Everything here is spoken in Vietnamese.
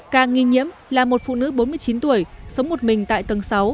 ca nghi nhiễm là một phụ nữ bốn mươi chín tuổi sống một mình tại tầng sáu